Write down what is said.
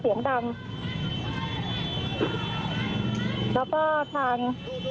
เพราะตอนนี้ก็ไม่มีเวลาให้เข้าไปที่นี่